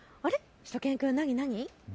しゅと犬くん、何何。